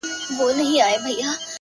د زړگي ښار ته مي لړم د لېمو مه راوله،